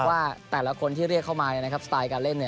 ว่าแต่ละคนที่เรียกเข้ามาสไตล์การเล่นเนี่ย